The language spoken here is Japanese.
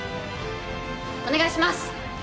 お願いします！